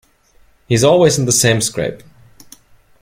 He's always in the same scrape.